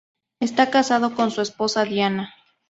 Está casado con su esposa, Diana.